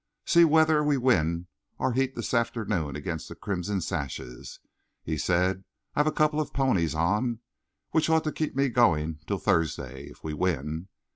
"See whether we win our heat this afternoon against the Crimson Sashes," he said. "I've a couple of ponies on, which ought to keep me going till Thursday, if we win.